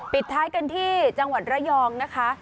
ปิดท้ายกันที่จังหวัดระยองนะคะ